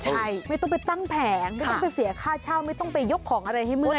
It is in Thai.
ใช่ไม่ต้องไปตั้งแผงไม่ต้องไปเสียค่าเช่าไม่ต้องไปยกของอะไรให้มืด